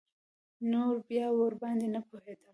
نور بيا ورباندې نه پوهېدم.